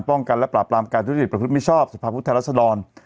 ป้องกันและปราบปรามการทฤษฎิประคลิปมิชชอบสภาพุทธรรษฎร